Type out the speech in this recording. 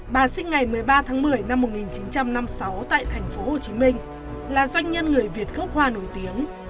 bà sinh ngày một mươi ba tháng một mươi năm một nghìn chín trăm năm mươi sáu tại thành phố hồ chí minh là doanh nhân người việt gốc hoa nổi tiếng